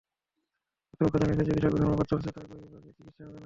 হাসপাতাল কর্তৃপক্ষ জানিয়েছে, চিকিৎসকদের ধর্মঘট চলছে তাই বহির্বিভাগে চিকিৎসা হবে না।